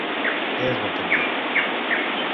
Què és el que et dic?